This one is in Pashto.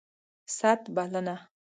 ست ... بلنه